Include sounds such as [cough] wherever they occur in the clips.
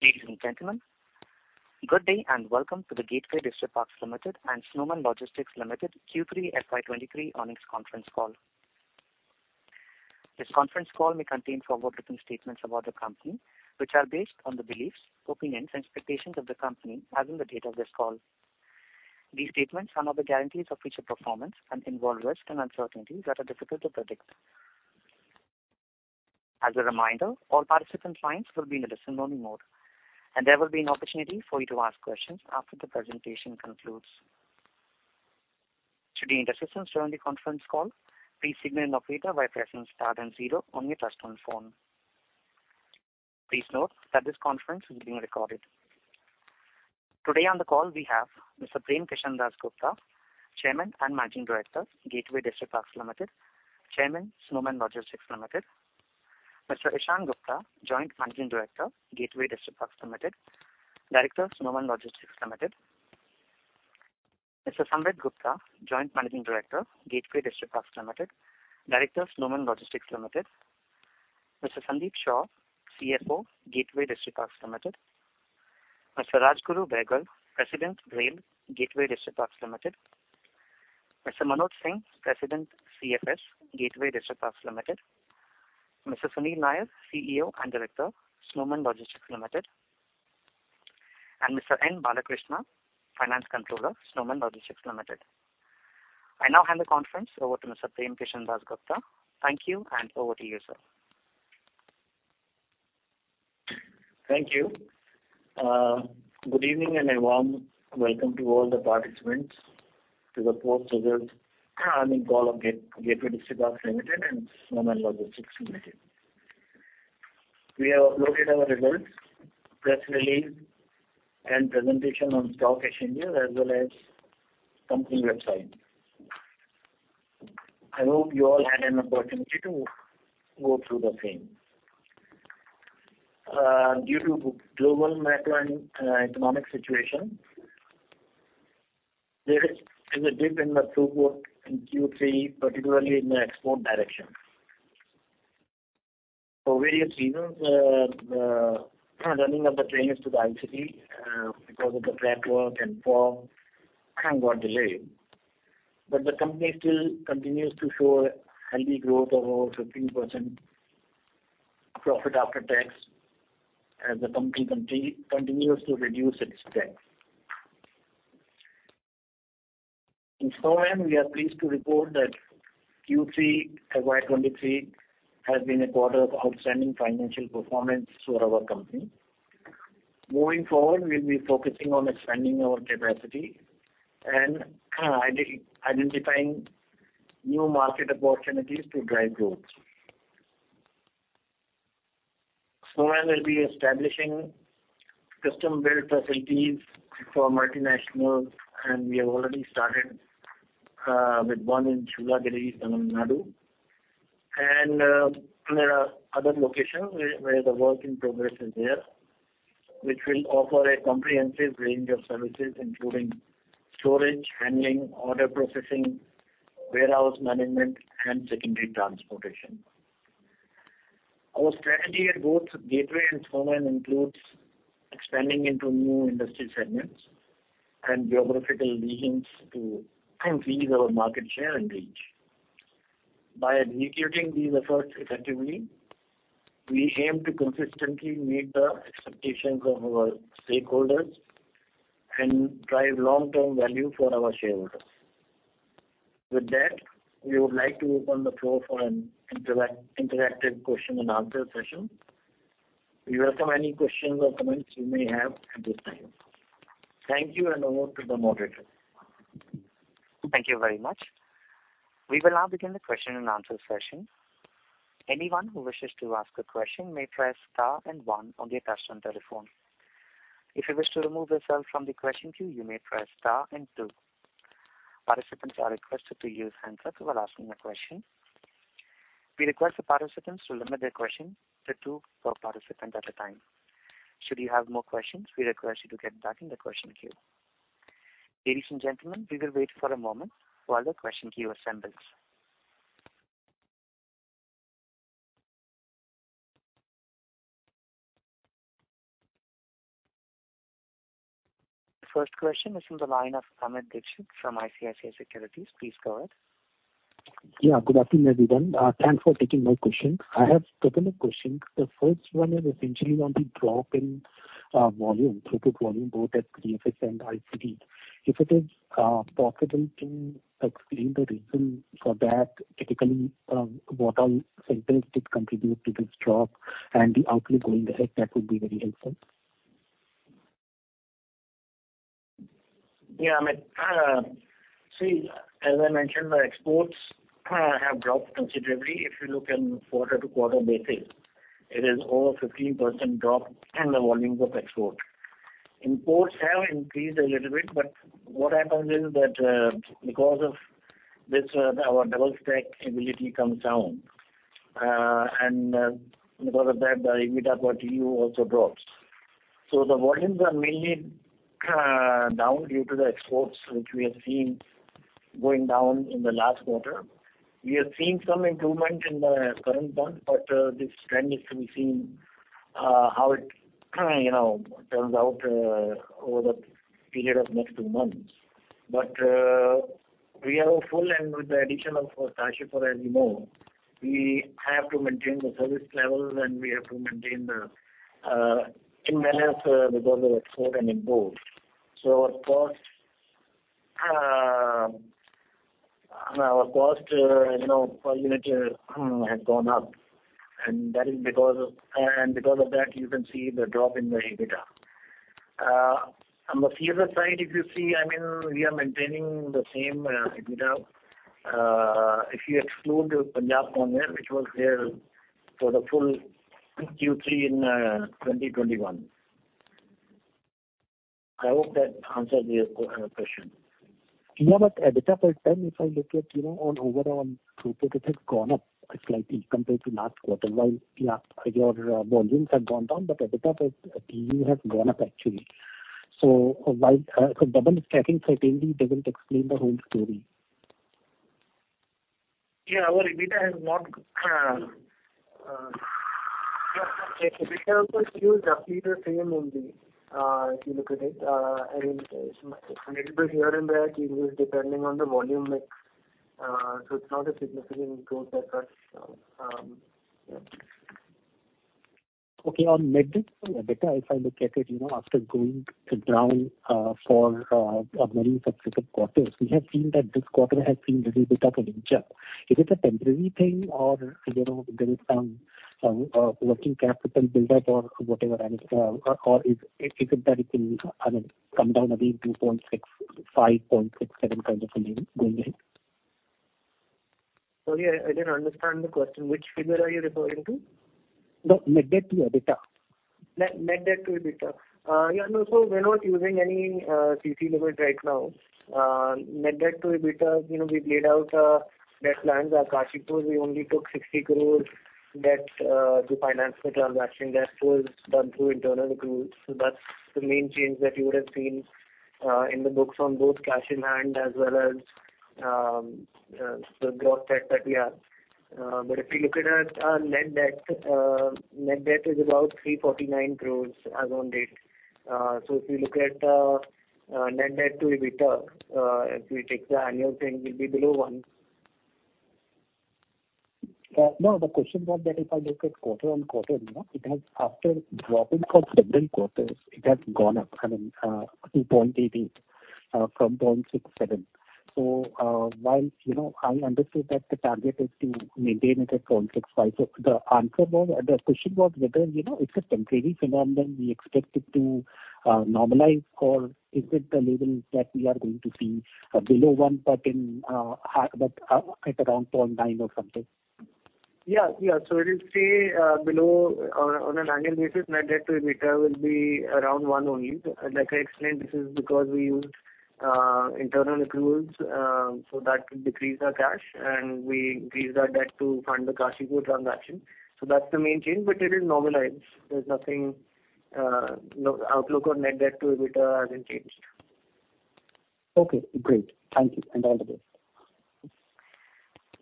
Ladies and gentlemen, good day and welcome to the Gateway Distriparks Limited and Snowman Logistics Limited Q3 FY 2023 earnings conference call. This conference call may contain forward-looking statements about the company which are based on the beliefs, opinions, and expectations of the company as of the date of this call. These statements are not guarantees of future performance and involve risks and uncertainties that are difficult to predict. As a reminder, all participant lines will be in listen-only mode, and there will be an opportunity for you to ask questions after the presentation concludes. Should you need assistance during the conference call, please signal an operator by pressing star and zero on your touchtone phone. Please note that this conference is being recorded. Today on the call, we have Mr. Prem Kishan Dass Gupta, Chairman and Managing Director, Gateway Distriparks Limited, Chairman, Snowman Logistics Limited; Mr. Ishaan Gupta, Joint Managing Director, Gateway Distriparks Limited, Director, Snowman Logistics Limited; Mr. Samvid Gupta, Joint Managing Director, Gateway Distriparks Limited, Director, Snowman Logistics Limited; Mr. Sandeep Shaw, CFS, Gateway Distriparks Limited; Mr. Rajguru Behgal, President, Rail, Gateway Distriparks Limited; Mr. Manoj Singh, President, CFS, Gateway Distriparks Limited; Mr. Sunil Nair, CEO and Director, Snowman Logistics Limited; and Mr. N. Balakrishna, Finance Controller, Snowman Logistics Limited. I now hand the conference over to Mr. Prem Kishan Dass Gupta. Thank you, and over to you, sir. Thank you. Good evening, and a warm welcome to all the participants to the post results earnings call of Gateway Distriparks Limited and Snowman Logistics Limited. We have uploaded our results, press release, and presentation on stock exchange as well as company website. I hope you all had an opportunity to go through the same. Due to global macro and economic situation, there is a dip in the throughput in Q3, particularly in the export direction. For various reasons, the running of the trains to the ICD, because of the network and form, got delayed. The company still continues to show healthy growth of over 15% profit after tax as the company continues to reduce its debt. In Snowman, we are pleased to report that Q3 FY 2023 has been a quarter of outstanding financial performance for our company. Moving forward, we'll be focusing on expanding our capacity and identifying new market opportunities to drive growth. Snowman will be establishing custom-built facilities for multinationals, and we have already started with one in Shoolagiri, Tamil Nadu. There are other locations where the work in progress is there, which will offer a comprehensive range of services including storage, handling, order processing, warehouse management, and secondary transportation. Our strategy at both Gateway and Snowman includes expanding into new industry segments and geographical regions to increase our market share and reach. By executing these efforts effectively, we aim to consistently meet the expectations of our stakeholders and drive long-term value for our shareholders. With that, we would like to open the floor for an interactive question and answer session. We welcome any questions or comments you may have at this time. Thank you, and over to the moderator. Thank you very much. We will now begin the question and answer session. Anyone who wishes to ask a question may press star 1 on their touchtone telephone. If you wish to remove yourself from the question queue, you may press star 2. Participants are requested to use handsets while asking a question. We request the participants to limit their question to two per participant at a time. Should you have more questions, we request you to get back in the question queue. Ladies and gentlemen, we will wait for a moment while the question queue assembles. The first question is from the line of Amit Dixit from ICICI Securities. Please go ahead. Good afternoon, everyone. Thanks for taking my question. I have couple of questions. The first one is essentially on the drop in throughput volume, both at CFS and ICD. If it is possible to explain the reason for that, particularly what all factors did contribute to this drop and the outlook going ahead, that would be very helpful. Amit. See, as I mentioned, the exports have dropped considerably. If you look in quarter-over-quarter basis, it is over 15% drop in the volumes of export. Imports have increased a little bit, but what happens is that because of this, our double stack ability comes down. Because of that, the EBITDA per TEU also drops. The volumes are mainly down due to the exports, which we have seen Going down in the last quarter. We have seen some improvement in the current month, this trend is to be seen how it turns out over the period of next two months. We are full and with the addition of Kashipur as you know, we have to maintain the service levels and we have to maintain the timelines because of export and import. Our cost per unit has gone up, and because of that, you can see the drop in the EBITDA. On the CFS side, if you see, we are maintaining the same EBITDA. If you exclude the Punjab Conware, which was there for the full Q3 in 2021. I hope that answers your question. Yeah. EBITDA %, if I look at on overall throughput, it has gone up slightly compared to last quarter. While your volumes have gone down, EBITDA you have gone up actually. double-stacking certainly doesn't explain the whole story. Yeah. Our EBITDA also is roughly the same only, if you look at it. I mean, a little bit here and there, it will depending on the volume mix. It's not a significant growth as such. Yeah. Okay. On net debt to EBITDA, if I look at it, after going down for many subsequent quarters, we have seen that this quarter has seen little bit of an inch up. Is it a temporary thing or there is some working capital build-up or whatever, or is it that it will, I mean, come down again 2.6, 5.67 kind of a level going ahead? Sorry, I didn't understand the question. Which figure are you referring to? The net debt to EBITDA. Net debt to EBITDA. Yeah, no, we're not using any CC limit right now. Net debt to EBITDA, we laid out debt plans. At Kashipur, we only took 60 crores debt to finance the transaction. Rest was done through internal accruals. That's the main change that you would have seen in the books on both cash in hand as well as the gross debt that we have. If you look at our net debt, net debt is about 349 crores as on date. If you look at net debt to EBITDA, if we take the annual thing, it will be below one. No, the question was that if I look at quarter-on-quarter, after dropping for several quarters, it has gone up, I mean, 2.88 from 0.67. While I understood that the target is to maintain it at 0.65. The question was whether it's a temporary phenomenon we expect it to normalize, or is it the level that we are going to see below one, but at around 0.9 or something? Yeah. It is say, on an annual basis, net debt to EBITDA will be around one only. Like I explained, this is because we used internal accruals, that decreased our cash, we increased our debt to fund the Kashipur transaction. That's the main change, it is normalized. Outlook on net debt to EBITDA hasn't changed. Okay, great. Thank you, and all the best.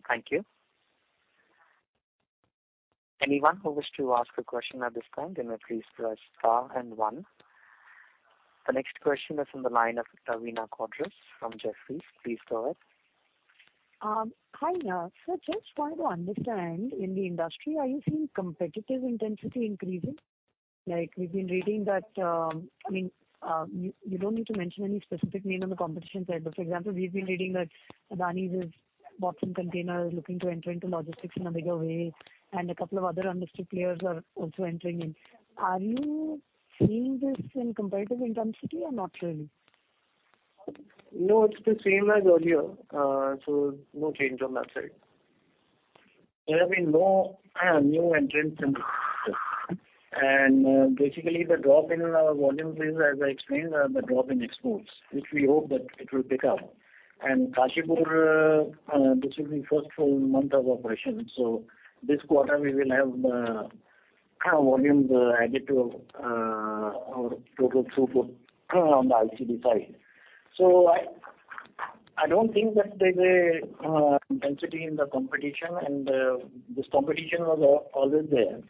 Thank you. Anyone who wish to ask a question at this time, please press star and one. The next question is on the line of Veena Kodre from Jefferies. Please go ahead. Hi. Sir, just wanted to understand, in the industry, are you seeing competitive intensity increasing? Like we've been reading that, I mean, you don't need to mention any specific name on the competition side, but for example, we've been reading that Adani Group's is box and container looking to enter into logistics in a bigger way, and a couple of other industry players are also entering in. Are you seeing this in competitive intensity or not really? No, it's the same as earlier, so no change on that side. There have been no new entrants in the picture. Basically, the drop in our volumes is, as I explained, the drop in exports, which we hope that it will pick up. Kashipur, this will be first full month of operation. This quarter, we will have volumes added to our total throughput on the ICD side. I don't think that there's a intensity in the competition, and this competition was always there.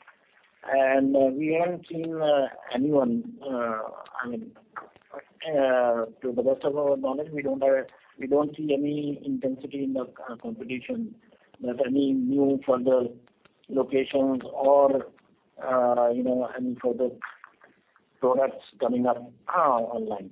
We haven't seen anyone, I mean, to the best of our knowledge, we don't see any intensity in the competition that any new further locations or any further products coming up online.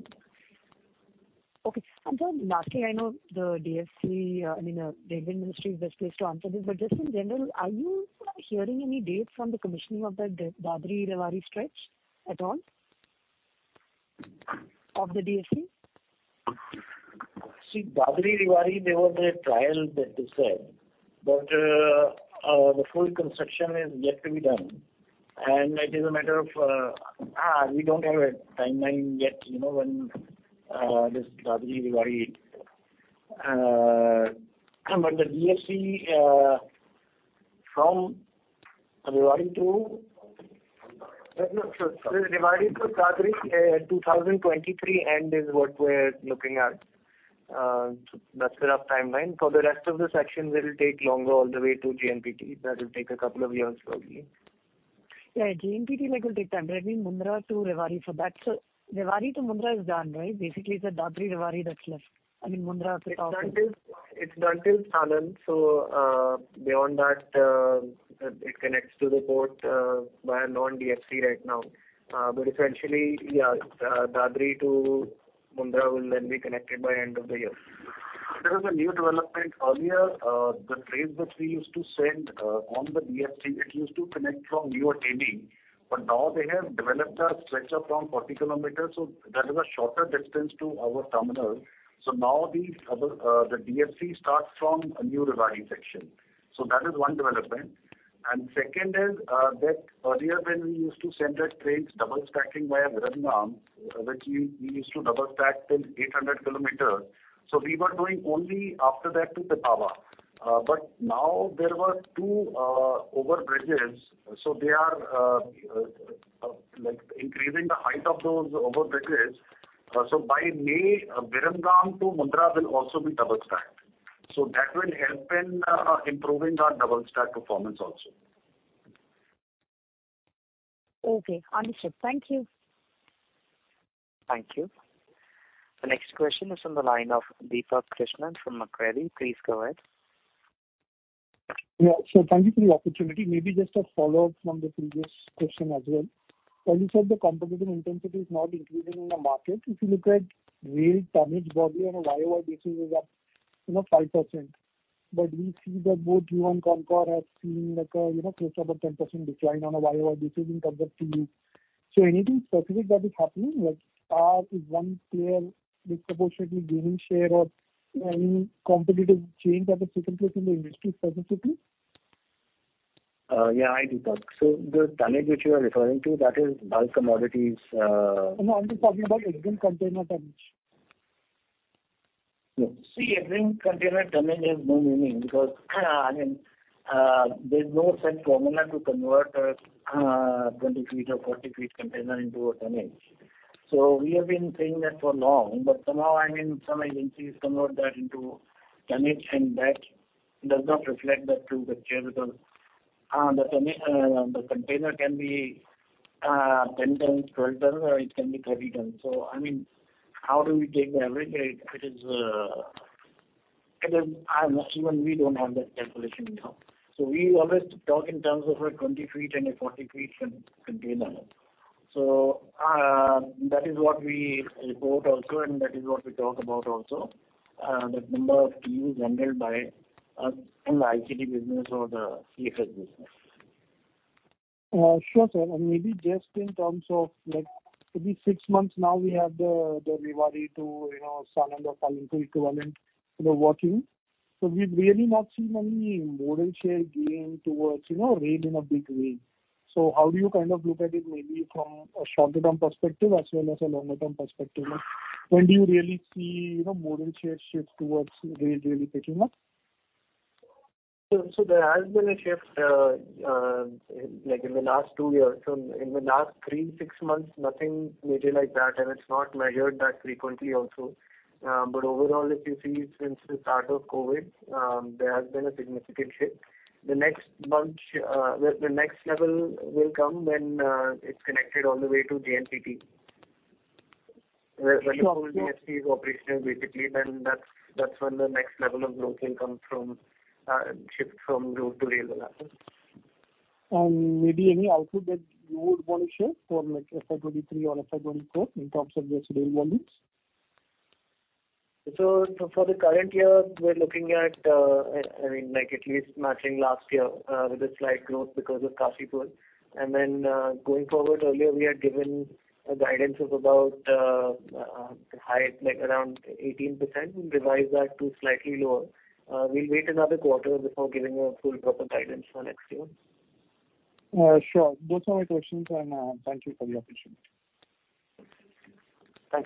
Okay. Sir, lastly, I know the DFC, I mean, the railway ministry is best placed to answer this, but just in general, are you hearing any dates from the commissioning of that Dadri-Rewari stretch at all of the DFC? See, Dadri-Rewari, there was a trial that they said, the full construction is yet to be done. It is a matter of, we don't have a timeline yet. No. Rewari to Dadri, 2023 end is what we're looking at. That's the rough timeline. For the rest of the section, will take longer all the way to JNPT. That will take a couple of years, probably. Yeah, JNPT will take time. I mean, Mundra to Rewari for that. Rewari to Mundra is done, right? Basically, it's Dadri-Rewari that's left. I mean, Mundra at the top. It's done till Sanand. Beyond that, it connects to the port via non-DFC right now. Essentially, yeah Dadri to Mundra will then be connected by end of the year. There is a new development. Earlier, the trains that we used to send on the DFC, it used to connect from New Ateli, now they have developed a stretch of around 40 km, so that is a shorter distance to our terminal. Now the DFC starts from New Rewari section. That is one development. Second is that earlier when we used to send the trains double stacking via Viramgam, which we used to double stack till 800 km. We were going only after that to Pipavav. Now there were two over bridges, so they are increasing the height of those over bridges. By May, Viramgam to Mundra will also be double stacked. That will help in improving our double stack performance also. Okay, understood. Thank you. Thank you. The next question is on the line of Deepak Krishnan from Macquarie. Please go ahead. Yeah. Sir, thank you for the opportunity. Maybe just a follow-up from the previous question as well. When you said the competitive intensity is not increasing in the market, if you look at rail tonnage volume on a year-over-year basis is up 5%. We see that both you and CONCOR have seen close to about 10% decline on a year-over-year basis in terms of TEUs. Anything specific that is happening? Like is one player disproportionately gaining share or any competitive change that is taking place in the industry specifically? Yeah, I do, Deepak. The tonnage which you are referring to, that is bulk commodities- No, I'm just talking about end-to-end container tonnage. End-to-end container tonnage has no meaning because there's no such formula to convert a 20 feet or 40 feet container into a tonnage. We have been saying that for long, but somehow, some agencies convert that into tonnage, and that does not reflect the true picture because the container can be 10 tons, 12 tons, or it can be 30 tons. How do we take the average? Even we don't have that calculation. We always talk in terms of a 20 feet and a 40 feet container. That is what we report also, and that is what we talk about also, the number of TEUs handled by us in the ICD business or the CFS business. Sure, sir. Maybe just in terms of, maybe 6 months now, we have the Rewari to Sanand or Kalindi equivalent working. We've really not seen any modal share gain towards rail in a big way. How do you look at it maybe from a shorter term perspective as well as a longer term perspective? When do you really see modal share shift towards rail really picking up? There has been a shift in the last 2 years. In the last 3, 6 months, nothing major like that, and it's not measured that frequently also. Overall, if you see since the start of COVID, there has been a significant shift. The next level will come when it's connected all the way to JNPT. When the full DFC is operational basically, that's when the next level of growth will come from shift from road to rail. Maybe any outlook that you would want to share for FY 2023 or FY 2024 in terms of rail volumes? For the current year, we're looking at at least matching last year with a slight growth because of Kashipur. Going forward, earlier we had given a guidance of about the high, around 18%. We revised that to slightly lower. We'll wait another quarter before giving a full proper guidance for next year. Sure. Those are my questions. Thank you for the opportunity.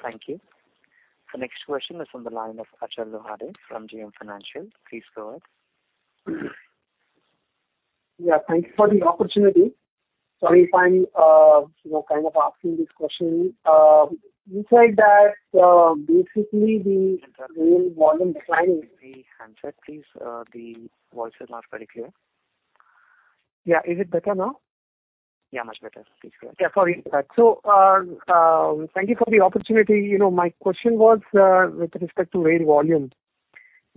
Thank you. The next question is on the line of Achal Lohade from JM Financial. Please go ahead. Yeah, thank you for the opportunity. Sorry if I'm kind of asking this question. You said that basically the rail volume decline- Can you use the handset, please? The voice is not very clear. Yeah. Is it better now? Yeah, much better. Please go ahead. Yeah, sorry. Thank you for the opportunity. My question was with respect to rail volumes.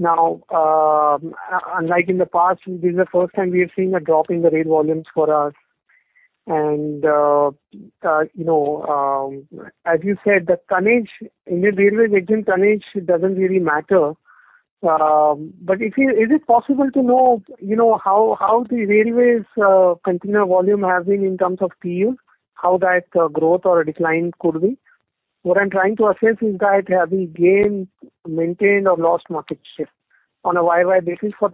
Unlike in the past, this is the first time we are seeing a drop in the rail volumes for us. As you said, the tonnage in the railway wagon tonnage doesn't really matter. Is it possible to know how the railways container volume has been in terms of TEUs, how that growth or decline could be? What I'm trying to assess is that have we gained, maintained, or lost market share on a year-over-year basis for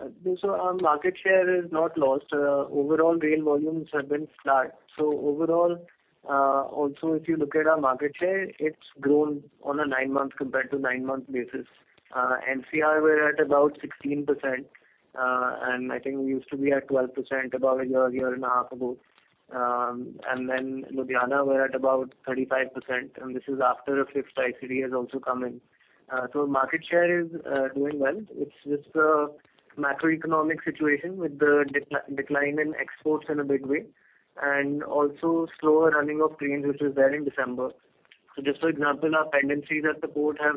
3Q? Our market share is not lost. Overall rail volumes have been flat. Overall, also, if you look at our market share, it's grown on a nine-month compared to nine-month basis. NCR, we're at about 16%. I think we used to be at 12% about a year and a half ago. Ludhiana, we're at about 35%, and this is after a fifth ICD has also come in. Market share is doing well. It's just a macroeconomic situation with the decline in exports in a big way, and also slower running of trains, which was there in December. Just for example, our pendencies at the port have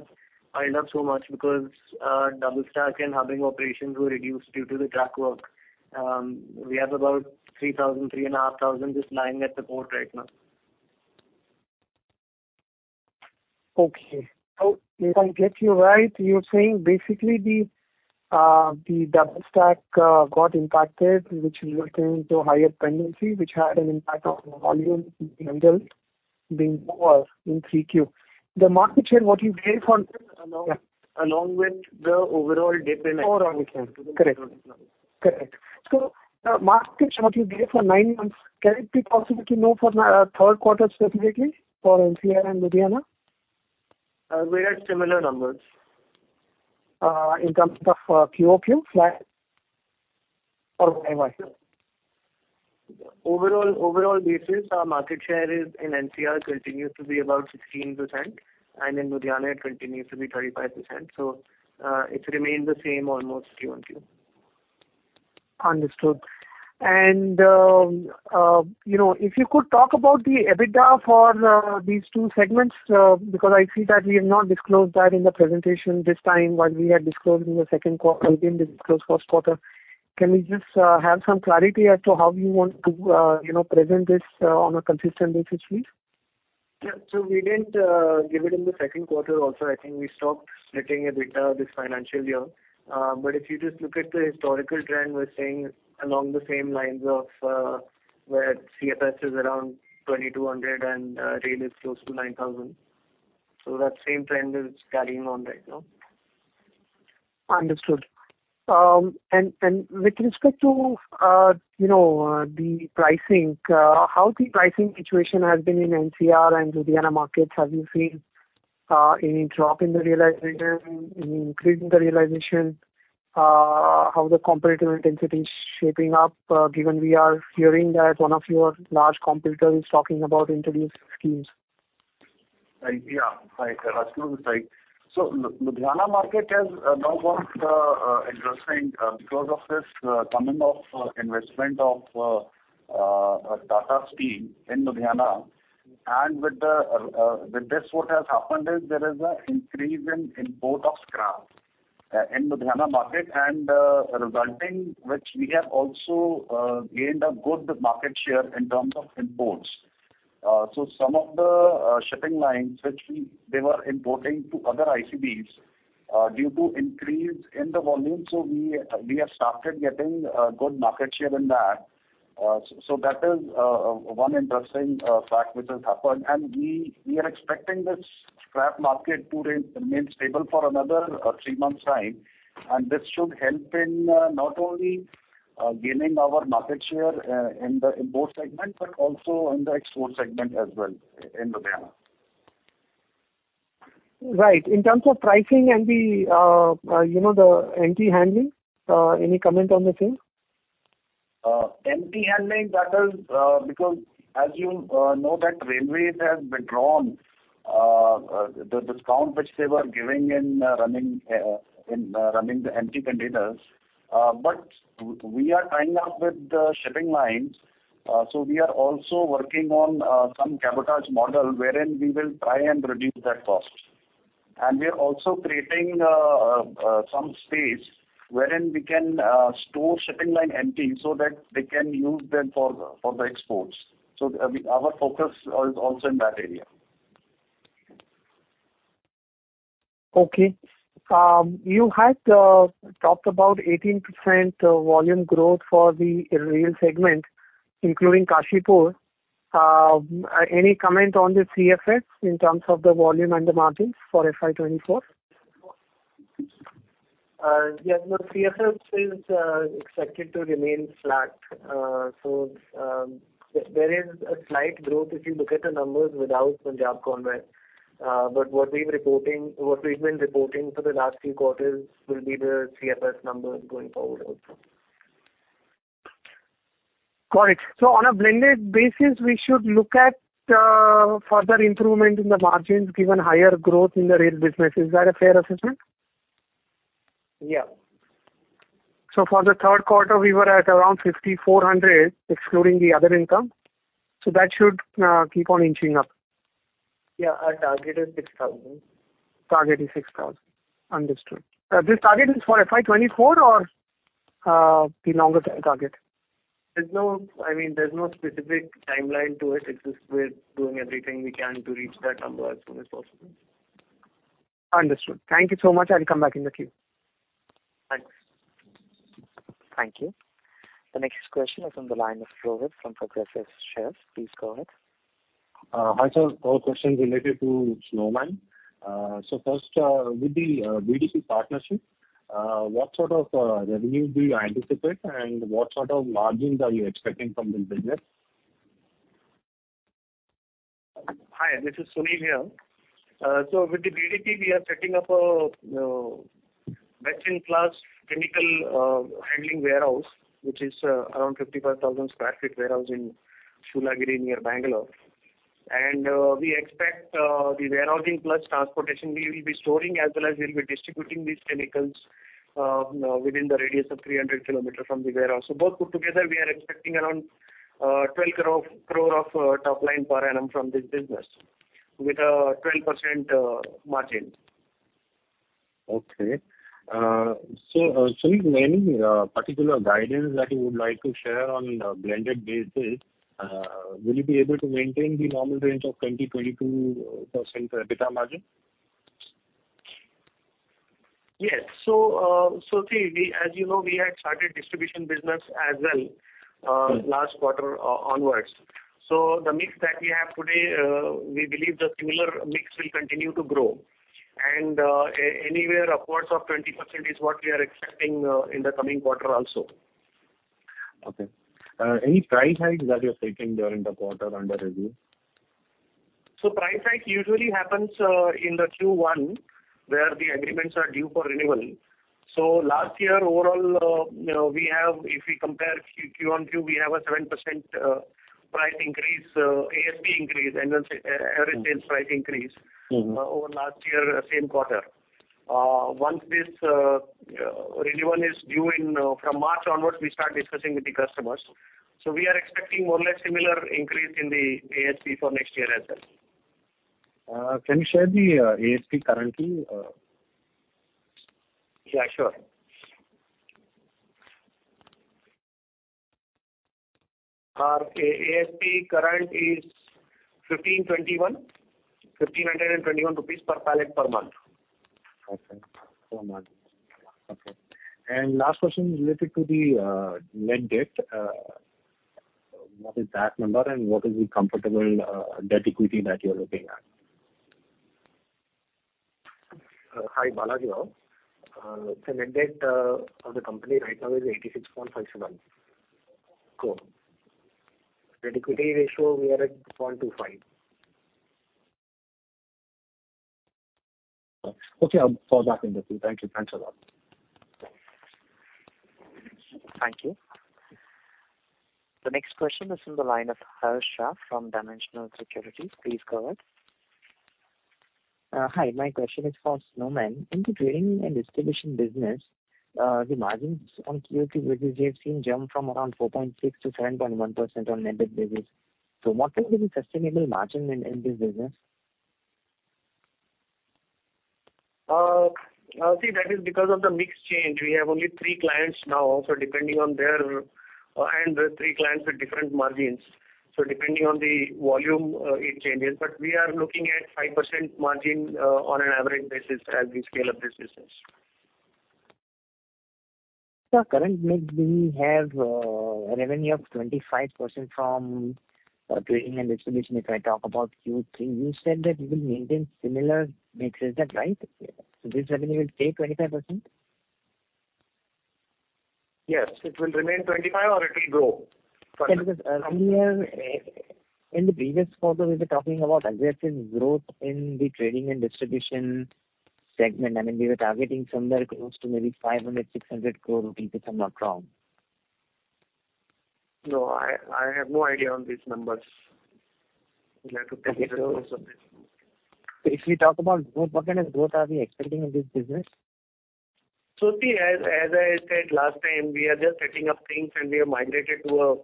piled up so much because our double stack and hubbing operations were reduced due to the track work. We have about 3,000, 3,500 just lying at the port right now. If I get you right, you're saying basically the double stack got impacted, which resulted into higher pendency, which had an impact on the volume handled being lower in 3Q. The market share, what you gave on- Along with the overall dip in export. Overall dip. Correct. The market share what you gave for nine months, can it be possible to know for third quarter specifically for NCR and Ludhiana? We had similar numbers. In terms of QOQ, flat or YOY? Overall basis, our market share is in NCR continues to be about 16%, and in Ludhiana, it continues to be 35%. It remains the same almost Q on Q. Understood. If you could talk about the EBITDA for these two segments, because I see that we have not disclosed that in the presentation this time, while we had disclosed in the second quarter and we disclosed first quarter. Can we just have some clarity as to how you want to present this on a consistent basis, please? We didn't give it in the second quarter also. I think we stopped splitting EBITDA this financial year. If you just look at the historical trend, we're saying along the same lines of where CFS is around 2,200 and rail is close to 9,000. That same trend is carrying on right now. Understood. With respect to the pricing, how the pricing situation has been in NCR and Ludhiana markets? Have you seen any drop in the realization, any increase in the realization? How the competitive intensity is shaping up, given we are hearing that one of your large competitors is talking about introducing schemes. Ashok is right. Ludhiana market has now got interesting because of this coming of investment of Tata Steel in Ludhiana. With this, what has happened is there is an increase in import of scrap in Ludhiana market, resulting which we have also gained a good market share in terms of imports. Some of the shipping lines which they were importing to other ICDs, due to increase in the volume, we have started getting a good market share in that. That is one interesting fact which has happened, and we are expecting this scrap market to remain stable for another three months' time. This should help in not only gaining our market share in the import segment, but also in the export segment as well in Ludhiana. Right. In terms of pricing and the empty handling, any comment on the same? Empty handling, that is because as you know that railways has withdrawn the discount which they were giving in running the empty containers. We are tying up with the shipping lines, so we are also working on some cabotage model wherein we will try and reduce that cost. We are also creating some space wherein we can store shipping line empty so that they can use them for the exports. Our focus is also in that area. Okay. You had talked about 18% volume growth for the rail segment, including Kashipur. Any comment on the CFS in terms of the volume and the margins for FY 2024? Yes. No. CFS is expected to remain flat. There is a slight growth if you look at the numbers without Punjab Conware. What we've been reporting for the last few quarters will be the CFS numbers going forward also. Got it. On a blended basis, we should look at further improvement in the margins given higher growth in the rail business. Is that a fair assessment? Yeah. For the third quarter, we were at around 5,400, excluding the other income. That should keep on inching up. Yeah. Our target is 6,000. Target is 6,000. Understood. This target is for FY 2024 or the longer target? There's no specific timeline to it. It's just we're doing everything we can to reach that number as soon as possible. Understood. Thank you so much. I'll come back in the queue. Thanks. Thank you. The next question is on the line of Rohit from Progressive Shares. Please go ahead. Hi, sir. Our question related to Snowman. First, with the BDP partnership, what sort of revenue do you anticipate and what sort of margins are you expecting from this business? Hi, this is Sunil here. With the BDP, we are setting up a best-in-class chemical handling warehouse, which is around 55,000 sq ft warehouse in Shoolagiri, near Bangalore. We expect the warehousing plus transportation. We will be storing as well as we'll be distributing these chemicals within the radius of 300 km from the warehouse. Both put together, we are expecting around 12 crore of top line per annum from this business with a 12% margin. Okay. Any particular guidance that you would like to share on a blended basis? Will you be able to maintain the normal range of 20%-22% EBITDA margin? Yes. As you know, we had started distribution business as well last quarter onwards. The mix that we have today, we believe the similar mix will continue to grow, and anywhere upwards of 20% is what we are expecting in the coming quarter also. Okay. Any price hikes that you're taking during the quarter under review? Price hike usually happens in the Q1 where the agreements are due for renewal. Last year overall, if we compare Q on Q, we have a 7% price increase, ASP increase, average sales price increase over last year same quarter. Once this renewal is due, from March onwards, we start discussing with the customers. We are expecting more or less similar increase in the ASP for next year as well. Can you share the ASP currently? Yeah, sure. Our ASP current is 1,521 rupees per pallet per month. Okay. Per month. Okay. Last question related to the net debt. What is that number and what is the comfortable debt equity that you're looking at? Hi, N. Balakrishna here. Net debt of the company right now is 86.57 crore. Debt equity ratio, we are at 0.25. Okay. I'll follow up in this. Thank you. Thanks a lot. Thank you. The next question is from the line of Harsh Shah from Dimensional Securities. Please go ahead. Hi, my question is for Snowman. In the trading and distribution business, the margins on Q3 which we have seen jump from around 4.6% to 7.1% on net debt basis. What will be the sustainable margin in this business? See, that is because of the mix change. We have only three clients now, and the three clients with different margins. So depending on the volume, it changes, but we are looking at 5% margin on an average basis as we scale up this business. Sir, currently we have a revenue of 25% from trading and distribution. If I talk about Q3, you said that you will maintain similar mix. Is that right? This revenue will stay 25%? Yes, it will remain 25% or it will grow. Earlier in the previous quarter, we were talking about aggressive growth in the trading and distribution segment. We were targeting somewhere close to maybe 500 crore, 600 crore rupees, if I'm not wrong. No, I have no idea on these numbers. You'll have to take it up with somebody. If we talk about growth, what kind of growth are we expecting in this business? As I said last time, we are just setting up things and we have migrated to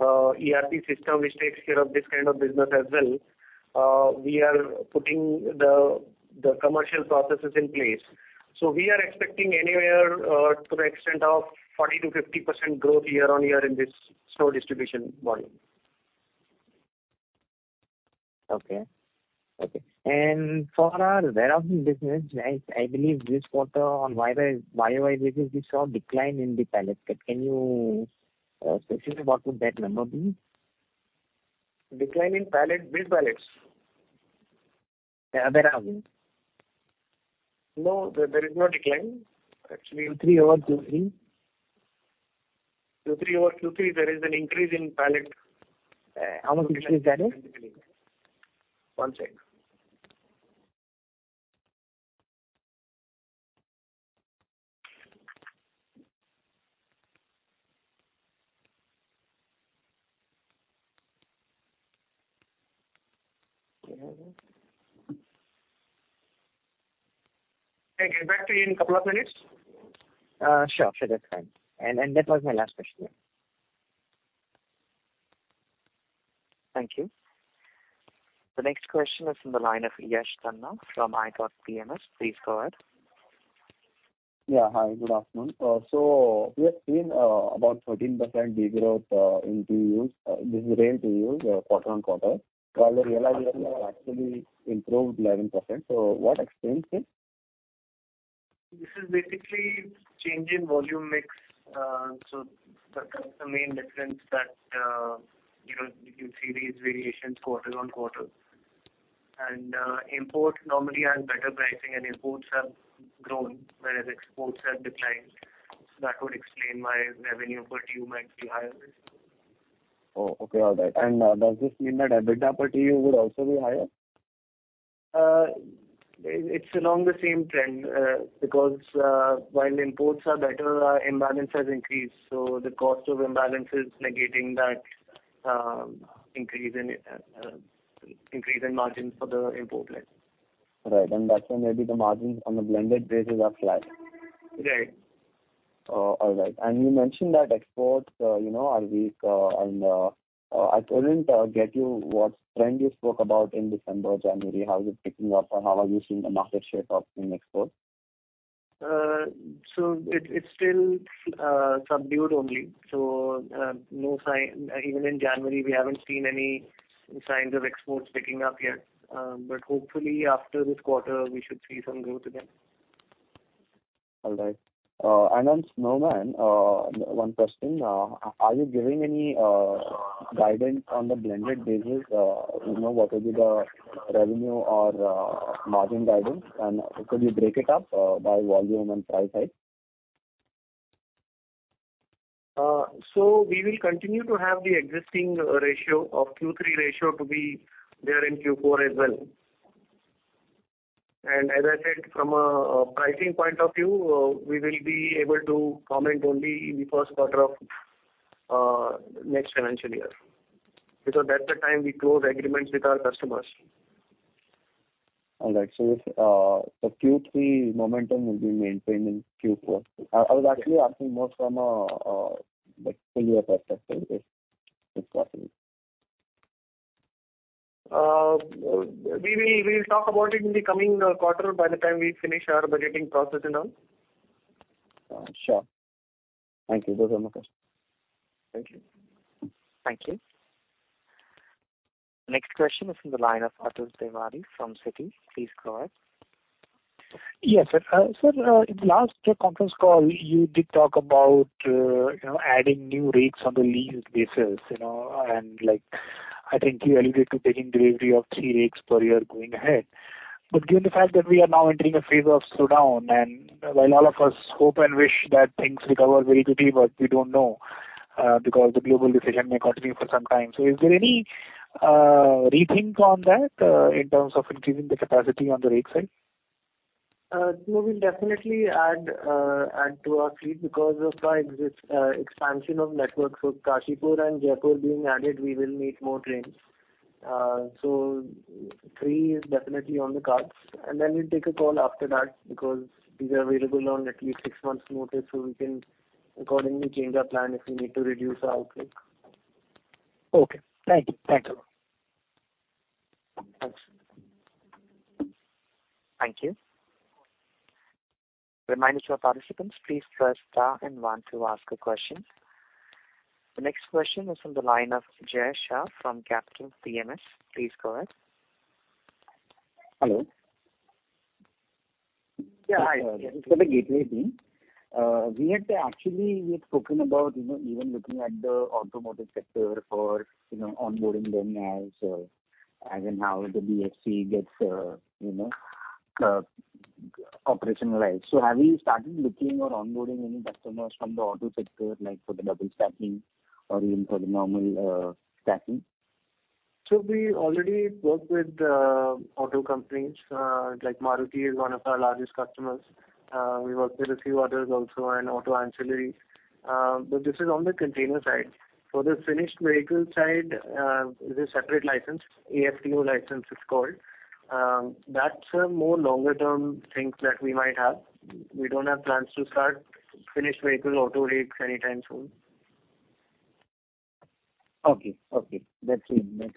an ERP system which takes care of this kind of business as well. We are putting the commercial processes in place. We are expecting anywhere to the extent of 40%-50% growth year-on-year in this slow distribution volume. Okay. For our warehousing business, I believe this quarter on YOY basis, we saw a decline in the pallet. Can you specifically what would that number be? Decline in pallets, which pallets? Warehousing. No, there is no decline. Q3 over Q3. Q3 over Q3, there is an increase in pallet. How much increase that is? One sec. Can I get back to you in a couple of minutes? Sure. That's fine. That was my last question. Thank you. The next question is from the line of Yash Tanna from ithoughtPMS. Please go ahead. Yeah, hi. Good afternoon. We have seen about 13% degrowth in TEUs, this is rail TEUs, quarter-on-quarter, while the realizations have actually improved 11%. What explains this? This is basically change in volume mix. That's the main difference that you can see these variations quarter-on-quarter. Import normally has better pricing and imports have grown, whereas exports have declined. That would explain why revenue per TEU might be higher. Oh, okay. All right. Does this mean that EBITDA per TEU would also be higher? It's along the same trend. While imports are better, our imbalance has increased, so the cost of imbalance is negating that increase in margin for the import leg. Right. That's why maybe the margins on a blended basis are flat. Right. Oh, all right. You mentioned that exports are weak, and I couldn't get you what trend you spoke about in December, January. How is it picking up, or how are you seeing the market share of same exports? It's still subdued only. Even in January, we haven't seen any signs of exports picking up yet. Hopefully after this quarter, we should see some growth again. All right. On Snowman, one question. Are you giving any guidance on the blended business? What will be the revenue or margin guidance, and could you break it up by volume and price hike? We will continue to have the existing ratio of Q3 ratio to be there in Q4 as well. As I said, from a pricing point of view, we will be able to comment only in the first quarter of next financial year. That's the time we close agreements with our customers. All right. The Q3 momentum will be maintained in Q4. I was actually asking more from a full year perspective, if possible. We'll talk about it in the coming quarter by the time we finish our budgeting process and all. Sure. Thank you. Those are my questions. Thank you. Thank you. Next question is from the line of Atul Dewani from Citi. Please go ahead. Yes, sir. Sir, in the last conference call, you did talk about adding new rakes on the lease basis. I think you alluded to taking delivery of three rakes per year going ahead. Given the fact that we are now entering a phase of slowdown, and while all of us hope and wish that things recover very quickly, but we don't know, because the global recession may continue for some time. Is there any rethink on that in terms of increasing the capacity on the rake side? No, we'll definitely add to our fleet because of our expansion of network. Kashipur and Jaipur being added, we will need more trains. Three is definitely on the cards. Then we'll take a call after that because these are available on at least six months notice, so we can accordingly change our plan if we need to reduce our outlook. Okay. Thank you. Thank you. Thanks. Thank you. A reminder to our participants, please press star and 1 to ask a question. The next question is from the line of Jay Shah from Capitalmind PMS. Please go ahead. Hello. This is for the Gateway team. Actually, we had spoken about even looking at the automotive sector for onboarding them as and how the BFC gets operationalized. Have you started looking or onboarding any customers from the auto sector, like for the double stacking or even for the normal stacking? We already work with auto companies. Maruti is one of our largest customers. We work with a few others also in auto ancillary. This is on the container side. For the finished vehicle side, it is a separate license, AFTO license it's called. That's a more longer term thing that we might have. We don't have plans to start finished vehicle auto rakes anytime soon. That's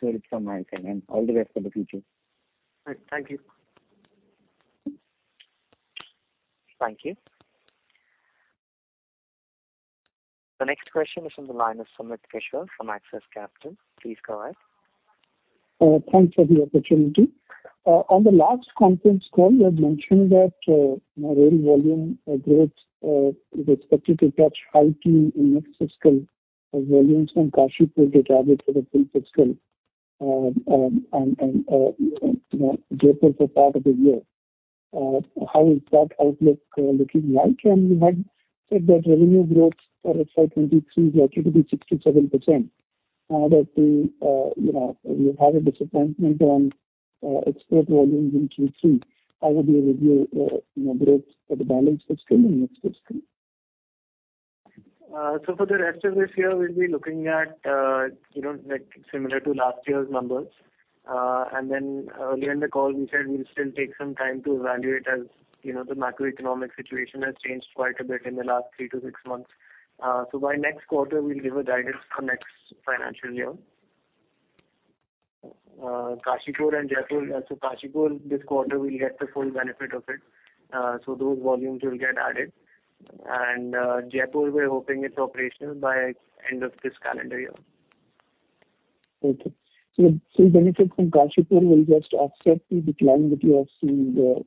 it from my side, and all the best for the future. Thank you. Thank you. The next question is from the line of Sumit Kishore from Axis Capital. Please go ahead. Thanks for the opportunity. On the last conference call, you had mentioned that rail volume growth is expected to touch high teen in next fiscal as volumes from Kashipur get added for the full fiscal and Jaipur for part of the year. How is that outlook looking like? You had said that revenue growth for FY 2023 is likely to be 67%, now that you have a disappointment on export volumes in Q3. How would you review the growth for the balance fiscal and next fiscal? For the rest of this year, we'll be looking at similar to last year's numbers. Earlier in the call, we said we'll still take some time to evaluate as the macroeconomic situation has changed quite a bit in the last three to six months. By next quarter, we'll give a guidance for next financial year. Kashipur this quarter, we'll get the full benefit of it. Those volumes will get added. Jaipur, we're hoping it's operational by end of this calendar year. Okay. The full benefit from Kashipur will just offset the decline that you have seen there.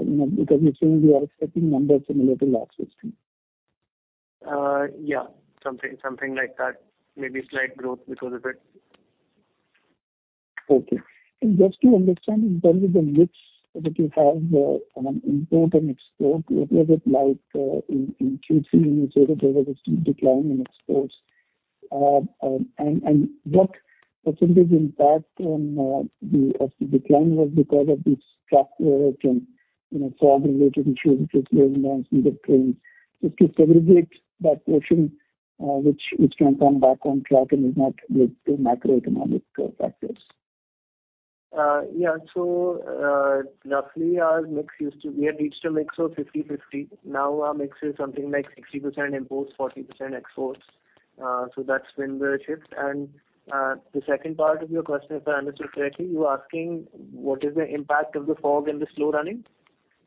Because you're saying you are expecting numbers similar to last fiscal year. Yeah. Something like that. Maybe slight growth because of it Just to understand in terms of the mix that you have on import and export, was it like in Q3, you said that there was a steep decline in exports. What percentage impact on the decline was because of this track work and fog-related issue, which is slowing down some of the trains, just to segregate that portion which can come back on track and is not due to macroeconomic factors. Yeah. Roughly our mix used to be a typical mix of 50/50. Now our mix is something like 60% imports, 40% exports. That's been the shift. The second part of your question, if I understood correctly, you're asking what is the impact of the fog and the slow running?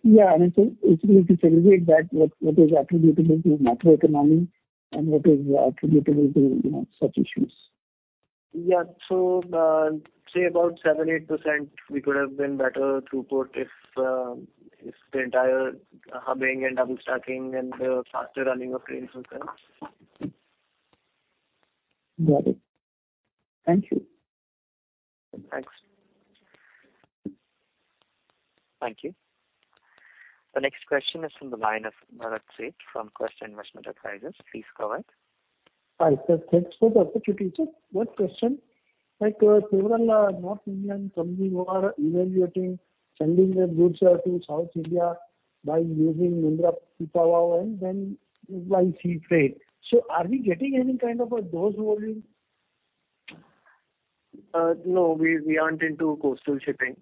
Yeah. If you need to segregate that, what is attributable to macroeconomy and what is attributable to such issues? Yeah. Say about seven, 8%, we could have been better throughput if the entire hubbing and double stacking and faster running of trains was there. Got it. Thank you. Thanks. Thank you. The next question is from the line of Bharat Sheth from Quest Investment Advisors. Please go ahead. Hi, sir. Thanks for the opportunity, sir. One question. Several North Indian companies who are evaluating sending their goods to South India by using Mundra Pipavav and then by sea freight. Are we getting any kind of those volume? No, we aren't into coastal shipping.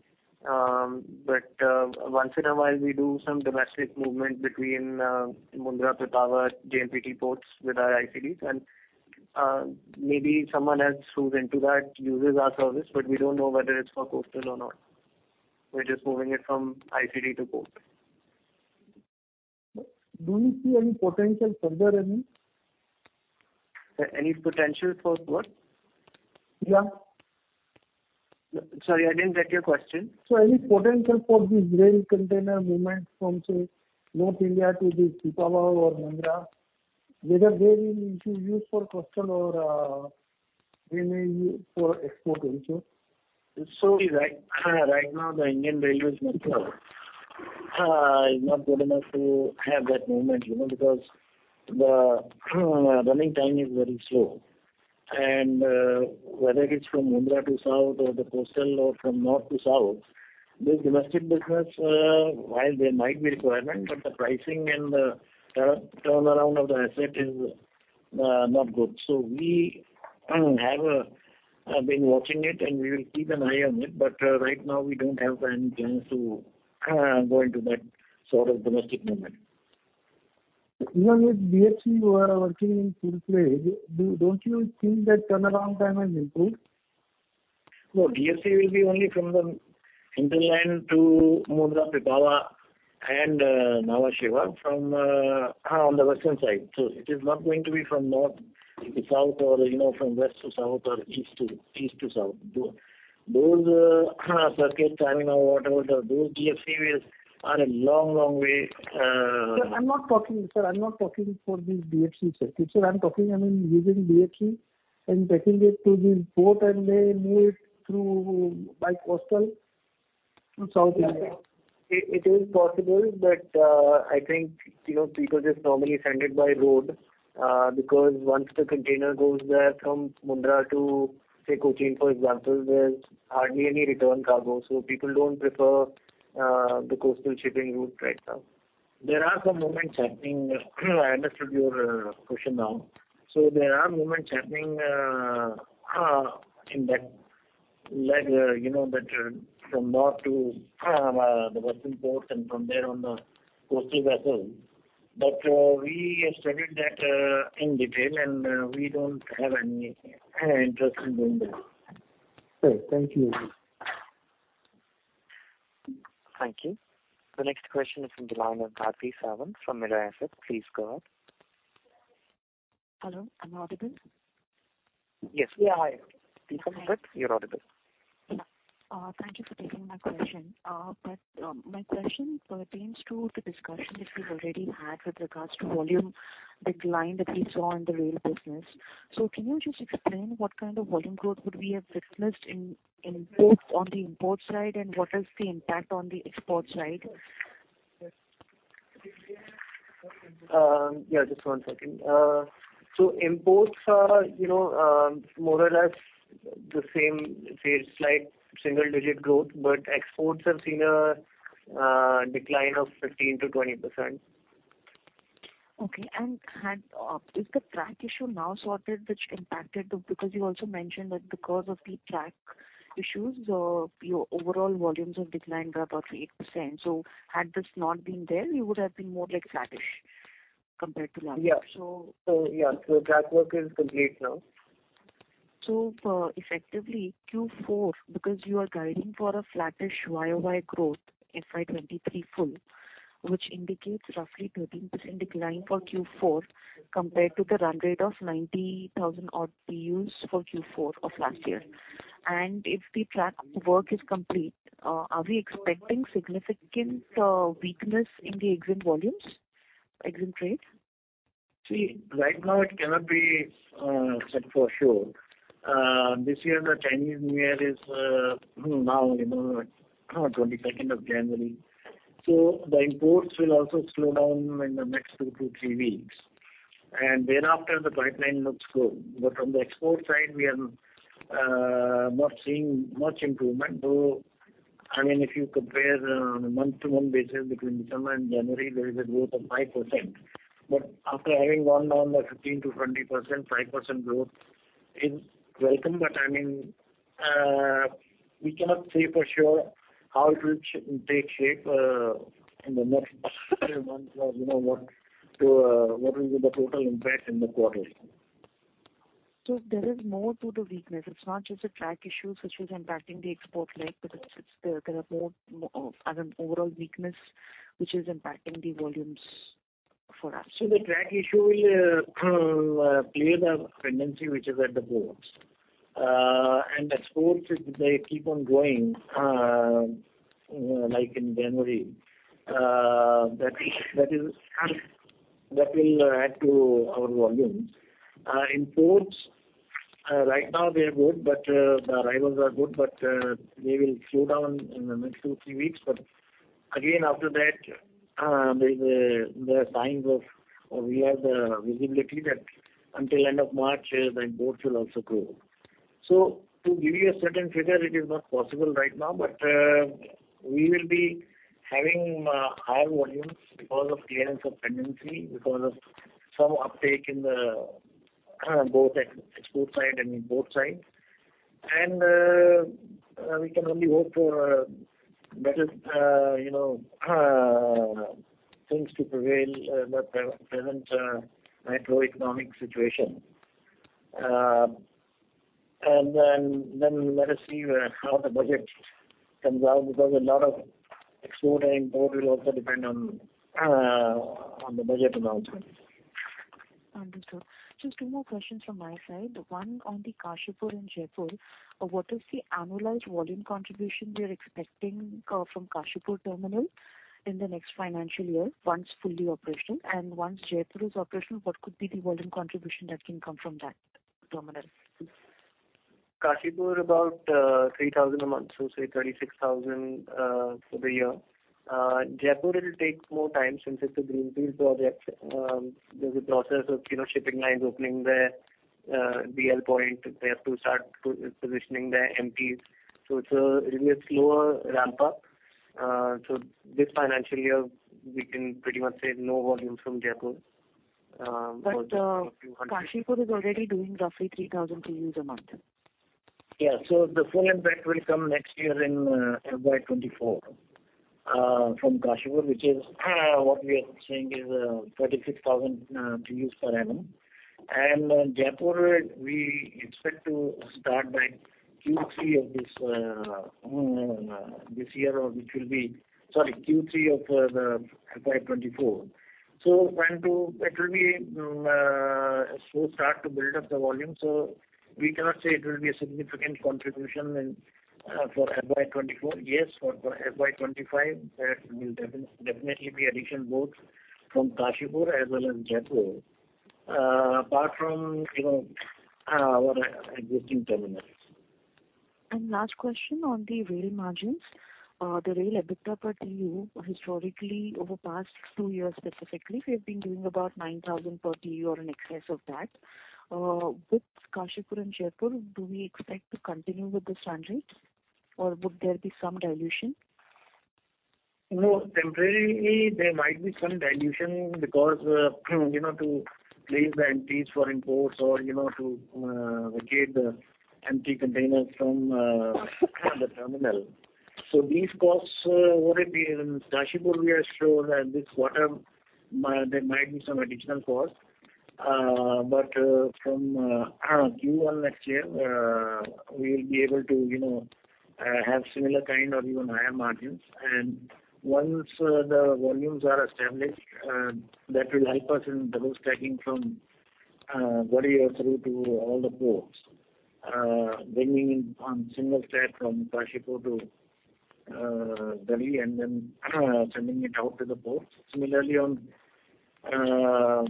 Once in a while, we do some domestic movement between Mundra Pipavav, JNPT ports with our ICDs and maybe someone else who's into that uses our service, but we don't know whether it's for coastal or not. We're just moving it from ICD to port. Do you see any potential further in it? Any potential for what? Yeah. Sorry, I didn't get your question. Any potential for this rail container movement from, say, North India to the Pipavav or Mundra, whether they will be used for coastal or they may use for export also. Right now the Indian Railways network is not good enough to have that movement, because the running time is very slow. Whether it is from Mundra to South or the coastal or from North to South, this domestic business, while there might be requirement, but the pricing and the turnaround of the asset is not good. We have been watching it, and we will keep an eye on it, but right now we don't have any plans to go into that sort of domestic movement. Even with DFC who are working in full play, don't you think that turnaround time has improved? No, DFC will be only from the hinterland to Mundra, Pipavav and Nhava Sheva on the western side. It is not going to be from north to south or from west to south or east to south. Those circuits, I don't know what, those DFC ways are a long way. Sir, I'm not talking for this DFC circuit. Sir, I'm talking, I mean, using DFC and taking it to the port and they move it through by coastal to South India. It is possible, I think people just normally send it by road, because once the container goes there from Mundra to, say, Cochin, for example, there's hardly any return cargo. People don't prefer the coastal shipping route right now. There are some movements happening. I understood your question now. There are movements happening in that from north to the western ports and from there on the coastal vessels. We studied that in detail, and we don't have any interest in doing that. Okay. Thank you. Thank you. The next question is from the line of Bharti Sawant from Mirae Asset. Please go ahead. Hello, am I audible? Yes. Yeah. Please go ahead. You're audible. Yeah. Thank you for taking my question. My question pertains to the discussion that we already had with regards to volume decline that we saw in the rail business. Can you just explain what kind of volume growth would we have witnessed on the import side, and what is the impact on the export side? Yeah, just one second. Imports are more or less the same, say, slight single-digit growth, exports have seen a decline of 15%-20%. Okay. Is the track issue now sorted, which impacted because you also mentioned that because of the track issues, your overall volumes have declined by about 8%. Had this not been there, you would have been more like flattish compared to last year. Yeah. Track work is complete now. Effectively Q4, because you are guiding for a flattish year-over-year growth in FY 2023 full, which indicates roughly 13% decline for Q4 compared to the run rate of 90,000 odd TEUs for Q4 of last year. If the track work is complete, are we expecting significant weakness in the extant volumes, extant trades? See, right now it cannot be said for sure. This year the Chinese New Year is now on 22nd of January. The imports will also slow down in the next two to three weeks. Thereafter the pipeline looks good. On the export side, we are not seeing much improvement, though if you compare on a month-to-month basis between December and January, there is a growth of 5%. After having gone down by 15%-20%, 5% growth is welcome, but we cannot say for sure how it will take shape in the next months or what will be the total impact in the quarter. There is more to the weakness. It's not just a track issue which is impacting the export leg, but there are more of an overall weakness which is impacting the volumes for us. The track issue will clear the pendency which is at the ports. Exports, if they keep on going like in January that will add to our volumes. Imports, right now they are good. The arrivals are good, but they will slow down in the next two, three weeks. Again, after that, there are signs of, or we have the visibility that until end of March, the imports will also grow. To give you a certain figure, it is not possible right now, but we will be having higher volumes because of clearance of pendency, because of some uptake in both export side and import side. We can only hope for better things to prevail the present macroeconomic situation. Let us see how the budget comes out, because a lot of export and import will also depend on the budget announcement. Understood. Just two more questions from my side, one on the Kashipur and Jaipur. What is the annualized volume contribution we are expecting from Kashipur terminal in the next financial year, once fully operational? Once Jaipur is operational, what could be the volume contribution that can come from that terminal? Kashipur about 3,000 a month, say 36,000 for the year. Jaipur will take more time since it's a greenfield project. There's a process of shipping lines opening their BL point. They have to start positioning their empties. It's a slower ramp-up. This financial year, we can pretty much say no volume from Jaipur. Kashipur is already doing roughly 3,000 TEUs a month. The full impact will come next year in FY 2024 from Kashipur, which is what we are saying is 36,000 TEUs per annum. Jaipur, we expect to start by Q3 of this year, which will be Q3 of FY 2024. It will be a slow start to build up the volume. We cannot say it will be a significant contribution for FY 2024. For FY 2025, there will definitely be additional loads from Kashipur as well as Jaipur, apart from our existing terminals. Last question on the rail margins. The rail EBITDA per TEU historically over past two years specifically, we have been doing about 9,000 per TEU or in excess of that. With Kashipur and Jaipur, do we expect to continue with this trend rates or would there be some dilution? Temporarily there might be some dilution because to place the empties for imports or to vacate the empty containers from the terminal. These costs would have been in Kashipur we are sure that this, there might be some additional cost. From Q1 next year we will be able to have similar kind or even higher margins. Once the volumes are established, that will help us in double stacking from Ghaziabad through to all the ports. Bringing in on single stack from Kashipur to Delhi and then sending it out to the ports. Similarly, on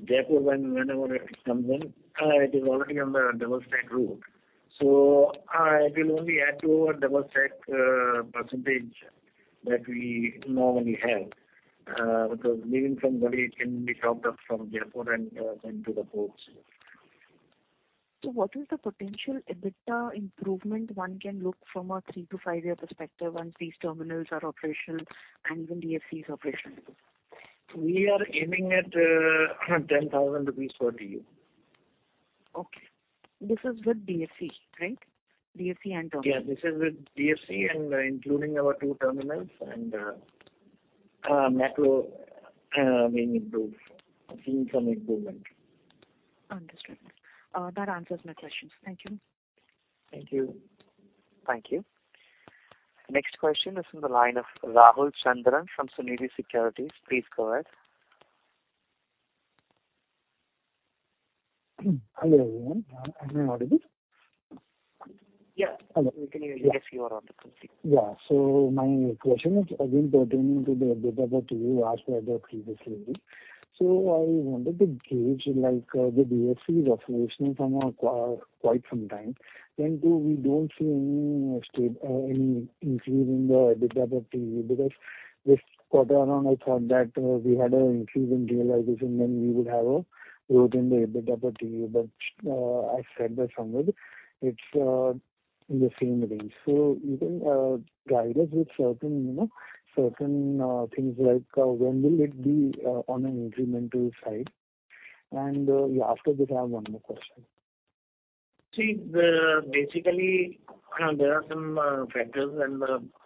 Jaipur, whenever it comes in, it is already on the double stack route. It will only add to our double stack percentage that we normally have. Leaving from Delhi, it can be topped up from Jaipur and sent to the ports. What is the potential EBITDA improvement one can look from a three to five-year perspective once these terminals are operational and even DFC is operational? We are aiming at 10,000 rupees per TEU. Okay. This is with DFC, right? DFC and terminal. Yeah, this is with DFC and including our two terminals. Macro seeing some improvement. Understood. That answers my questions. Thank you. Thank you. Thank you. Next question is from the line of Rahul Chandran from Suniti Securities. Please go ahead. Hello everyone. Am I audible? Yeah. We can hear you. Yes, you are on the complete. Yeah. My question is again pertaining to the EBITDA to you as per the previous release. I wanted to gauge the DFC is operational from quite some time. We don't see any increase in the EBITDA TTM because this quarter on I thought that we had an increase in realization, we would have a growth in the EBITDA TTM, but as said by Ishaan Gupta, it's in the same range. You can guide us with certain things like when will it be on an incremental side? After this I have one more question. Basically, there are some factors,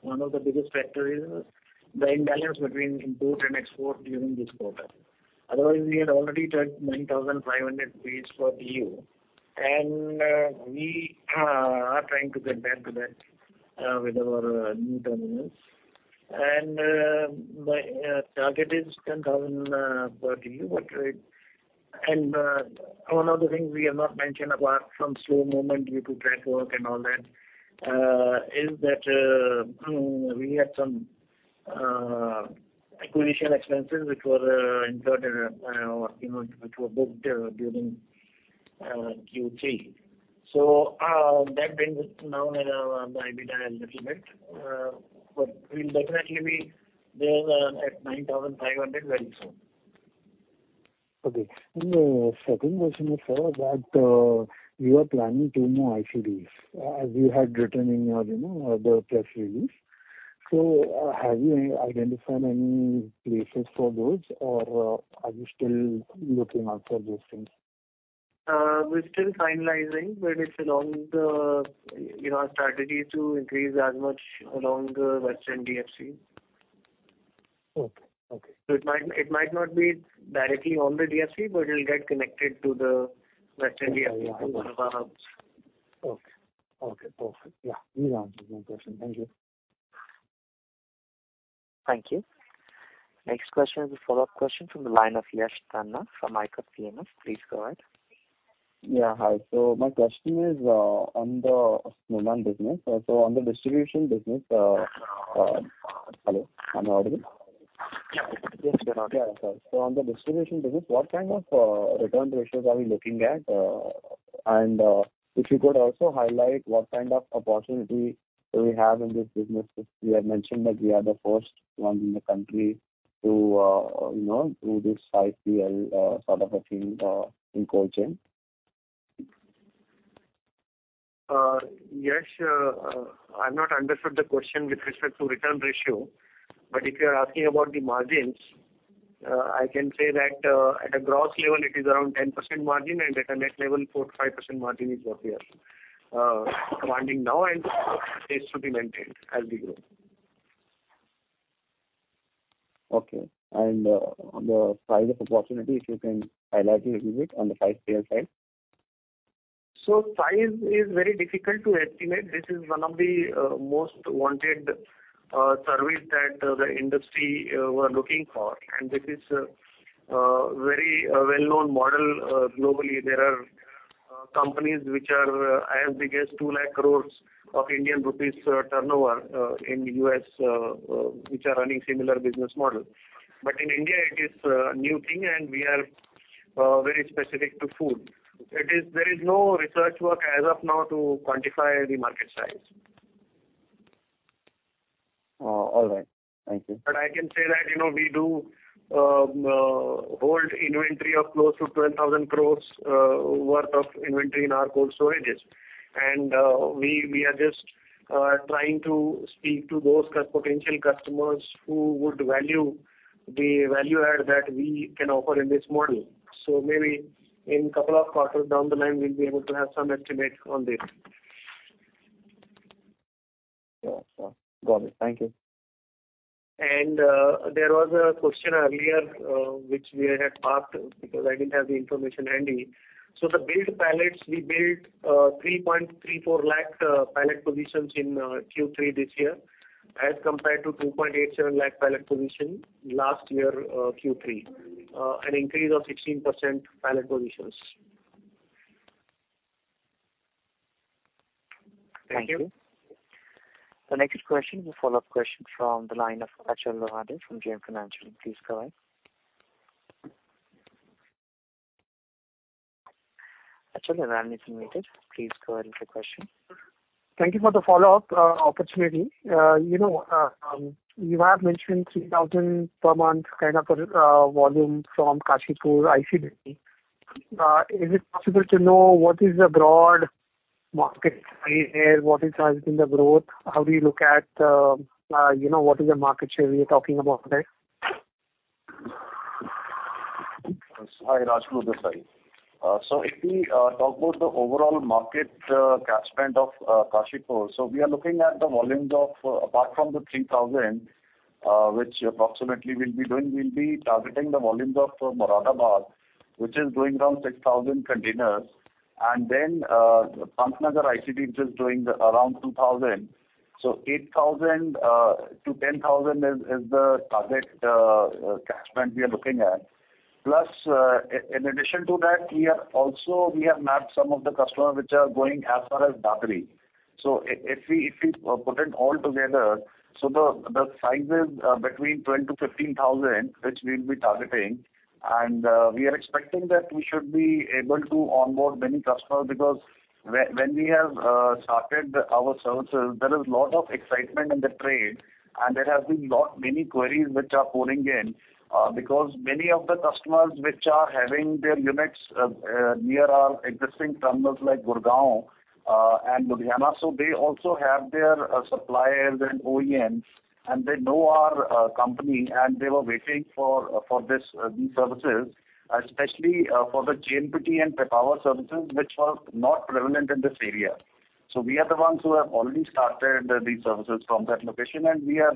one of the biggest factor is the imbalance between import and export during this quarter. Otherwise, we had already turned 9,500 [inaudible] per TEU, we are trying to get back to that with our new terminals. My target is 10,000 per TEU. One of the things we have not mentioned, apart from slow movement due to track work and all that, is that we had some acquisition expenses which were incurred and which were booked during Q3. That brings us down the EBITDA a little bit. We'll definitely be there at 9,500 very soon. Okay. The second question is that you are planning two more ICDs, as you had written in your press release. Have you identified any places for those, or are you still looking out for those things? We're still finalizing, our strategy is to increase as much along the Western DFC. Okay. It might not be directly on the DFC, but it'll get connected to the Western DFC through one of our hubs. Okay. Perfect. Yeah. You answered my question. Thank you. Thank you. Next question is a follow-up question from the line of Yash Tanna from ithoughtPMS. Please go ahead. Yeah. Hi. My question is on the movement business. Hello, am I audible? Yes, you are. On the distribution business, what kind of return ratios are we looking at? If you could also highlight what kind of opportunity do we have in this business? You have mentioned that we are the first one in the country to do this 5PL sort of a thing in cold chain. Yash, I have not understood the question with respect to return ratio. If you are asking about the margins, I can say that at a gross level, it is around 10% margin and at a net level, 4%-5% margin is what we are commanding now, and this is to be maintained as we grow. Okay. On the size of opportunity, if you can highlight a little bit on the 5PL side. Size is very difficult to estimate. This is one of the most wanted services that the industry were looking for, and this is a very well-known model globally. There are companies which are as big as 2 lakh crore of Indian rupees turnover in U.S., which are running similar business model. In India, it is a new thing, and we are very specific to food. There is no research work as of now to quantify the market size. All right. Thank you. I can say that we do hold inventory of close to 12,000 crore worth of inventory in our cold storages. We are just trying to speak to those potential customers who would value the value add that we can offer in this model. Maybe in couple of quarters down the line, we'll be able to have some estimate on this. Yeah. Got it. Thank you. There was a question earlier which we had parked because I didn't have the information handy. The built pallets, we built 3.34 lakh pallet positions in Q3 this year as compared to 2.87 lakh pallet position last year Q3, an increase of 16% pallet positions. Thank you. The next question is a follow-up question from the line of Achal Lohade from JM Financial. Please go ahead. Achal Lohade, if you may please go ahead with your question. Thank you for the follow-up opportunity. You have mentioned 3,000 per month kind of a volume from Kashipur ICD. Is it possible to know what is the broad market share? What is driving the growth? What is the market share we are talking about there? Hi, Rajguru Behgal. If we talk about the overall market catchment of Kashipur, we are looking at the volumes of apart from the 3,000, which approximately we'll be doing, we'll be targeting the volumes of Moradabad, which is doing around 6,000 containers, and then Pantnagar ICD, which is doing around 2,000. 8,000-10,000 is the target catchment we are looking at. In addition to that, we have mapped some of the customers which are going as far as Dadri. If we put it all together, the size is between 12,000-15,000, which we'll be targeting. We are expecting that we should be able to onboard many customers because when we have started our services, there is lot of excitement in the trade and there have been many queries which are pouring in because many of the customers which are having their units near our existing terminals like Gurgaon and Ludhiana. They also have their suppliers and OEMs, and they know our company, and they were waiting for these services, especially for the JNPT and Pipavav services, which were not prevalent in this area. We are the ones who have already started these services from that location and we are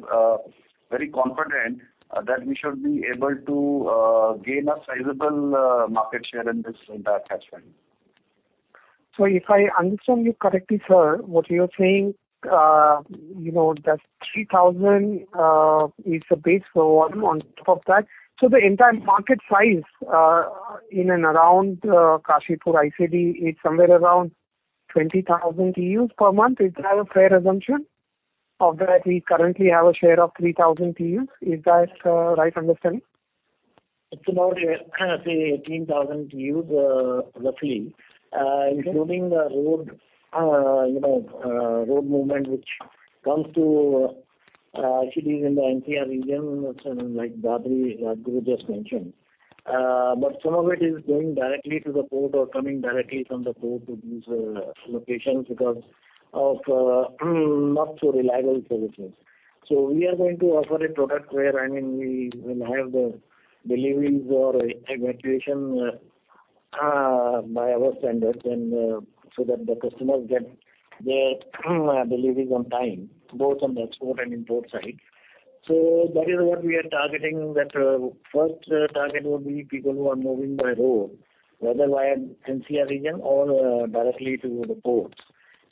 very confident that we should be able to gain a sizable market share in that catchment. If I understand you correctly, sir, what you're saying, that 3,000 is a base volume on top of that. The entire market size in and around Kashipur ICD is somewhere around 20,000 TEUs per month. Is that a fair assumption? Of that, we currently have a share of 3,000 TEUs. Is that right understanding? It's about, say, 18,000 TEUs roughly, including road movement, which comes to cities in the NCR region, like Dadri, like Guru just mentioned. Some of it is going directly to the port or coming directly from the port to these locations because of not so reliable services. We are going to offer a product where we will have the deliveries or evacuation by our standards so that the customers get their deliveries on time, both on the export and import side. That is what we are targeting, that first target would be people who are moving by road, whether via NCR region or directly to the ports.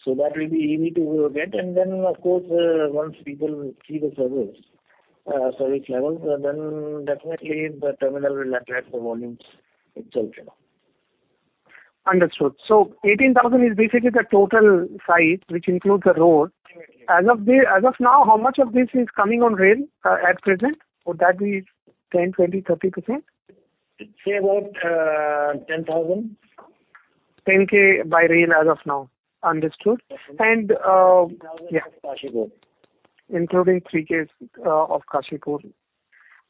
That will be easy to get. Then, of course, once people see the service levels, definitely the terminal will attract the volumes itself. Understood. 18,000 is basically the total size which includes the road. Exactly. As of now, how much of this is coming on rail at present? Would that be 10%, 20%, 30%? Say about 10,000. 10K by rail as of now. Understood. 10,000 at Kashipur. Including 3K of Kashipur.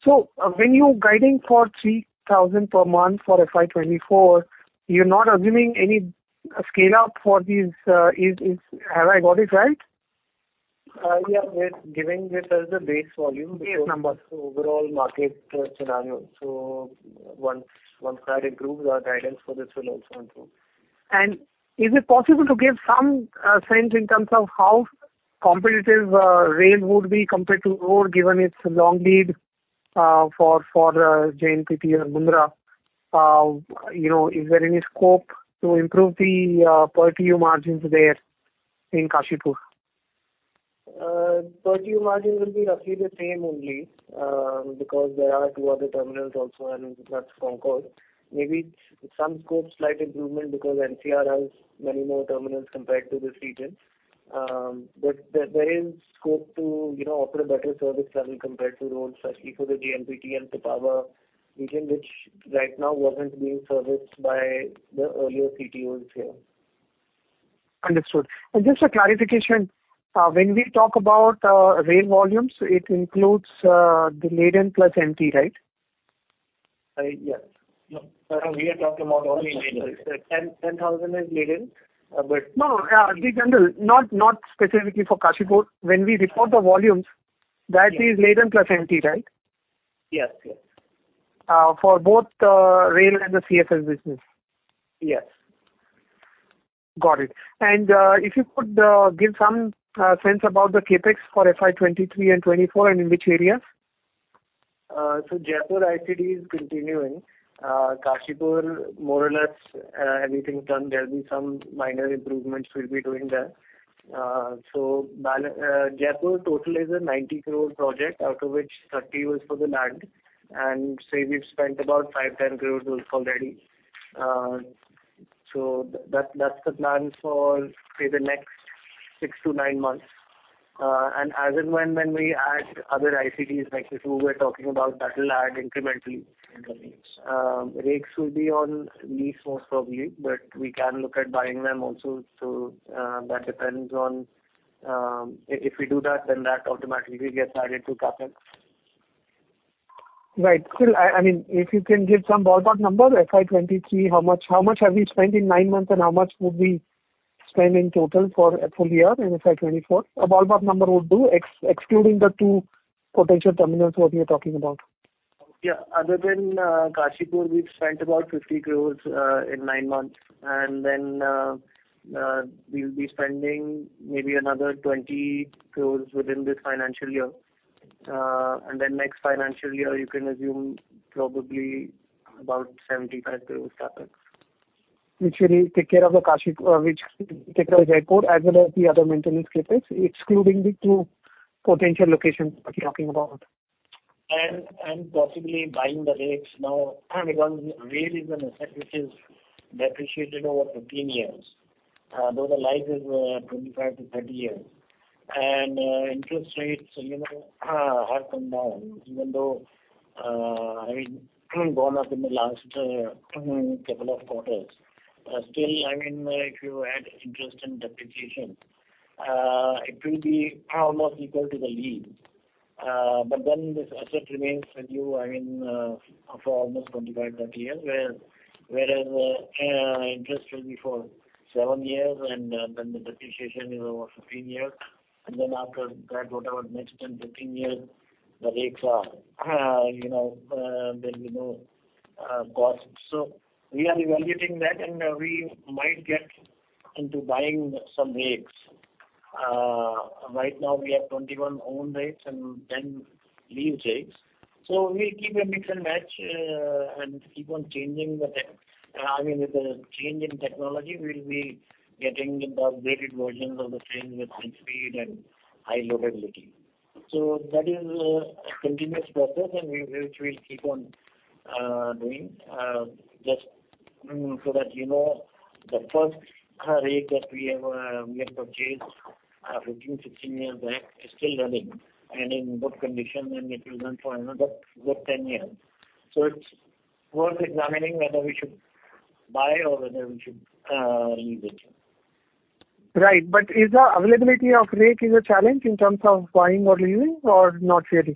When you're guiding for 3,000 per month for FY 2024, you're not assuming any scale-up for these. Have I got it right? Yes. We're giving this as the base volume because of the overall market scenario. Once that improves, our guidance for this will also improve. Is it possible to give some sense in terms of how competitive rail would be compared to road, given its long lead for JNPT and Mundra? Is there any scope to improve the per TEU margins there in Kashipur? Per TEU margin will be roughly the same only because there are two other terminals also and that's CONCOR. Maybe some scope, slight improvement because NCR has many more terminals compared to this region. There is scope to offer a better service level compared to roads, especially for the JNPT and Pipavav region, which right now wasn't being serviced by the earlier CTOs here. Understood. Just a clarification, when we talk about rail volumes, it includes the laden plus empty, right? Yes. We are talking about only laden. 10,000 is laden. No, in general, not specifically for Kashipur. When we report the volumes, that is laden plus empty, right? Yes. For both rail and the CFS business. Yes. Got it. If you could give some sense about the CapEx for FY 2023 and FY 2024 and in which areas? Jaipur ICD is continuing. Kashipur, more or less everything's done. There'll be some minor improvements we'll be doing there. Jaipur total is an 90 crore project, out of which 30 crore was for the land, and say we've spent about five crore, 10 crore already. That's the plan for, say, the next six to nine months. As and when we add other ICDs like this, we were talking about that will add incrementally in the mix. Rakes will be on lease, most probably, but we can look at buying them also. That depends on if we do that, then that automatically gets added to CapEx. Right. Still, if you can give some ballpark number, FY 2023, how much have we spent in nine months and how much would we spend in total for a full year in FY 2024? A ballpark number would do, excluding the two potential terminals, what we are talking about. Yeah. Other than Kashipur, we've spent about 50 crore in nine months. Then we will be spending maybe another 20 crore within this financial year. Next financial year, you can assume probably about 75 crore CapEx. Which will take care of the Kashipur, which take care of this [inaudible] as well as the other maintenance captives, excluding the two potential locations that you're talking about. Possibly buying the rigs now, because really the asset which is depreciated over 15 years, though the life is 25-30 years. Interest rates have come down, even though, gone up in the last two couple of quarters. Still, if you add interest and depreciation, it will be almost equal to the lease. This asset remains with you, for almost 25-30 years. Whereas, interest will be for seven years. Then the depreciation is over 15 years. After that, whatever next 10-15 years, the rigs are, there'll be no cost. We are evaluating that, and we might get into buying some rigs. Right now we have 21 owned rigs and 10 leased rigs. We keep a mix and match, and keep on changing the tech. With the change in technology, we'll be getting the upgraded versions of the same with high speed and high loadability. That is a continuous process, and which we'll keep on doing. Just so that you know, the first rig that we ever purchased 15-16 years back is still running and in good condition, and it will run for another good 10 years. It's worth examining whether we should buy or whether we should lease it. Is the availability of rig is a challenge in terms of buying or leasing or not really?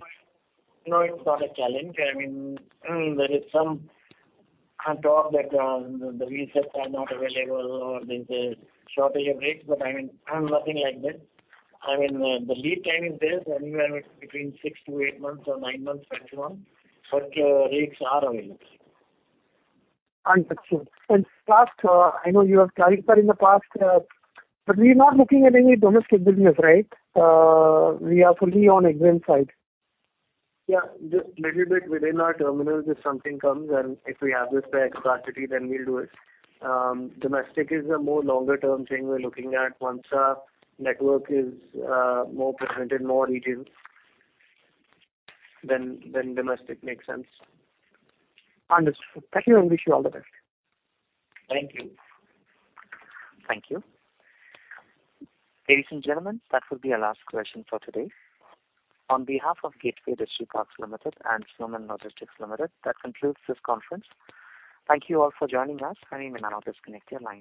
No, it's not a challenge. There is some talk that the leases are not available or there's a shortage of rigs. Nothing like that. The lead time is there, anywhere between six to eight months or nine months maximum. Rigs are available. Understood. I know you have clarified in the past, we're not looking at any domestic business, right? We are fully on export side. Yeah. Just little bit within our terminal, if something comes and if we have the spare capacity, we'll do it. Domestic is a more longer term thing we're looking at. Once our network is more presented, more retail, domestic makes sense. Understood. Thank you and wish you all the best. Thank you. Thank you. Ladies and gentlemen, that will be our last question for today. On behalf of Gateway Distriparks Limited and Snowman Logistics Limited, that concludes this conference. Thank you all for joining us. You may now disconnect your lines.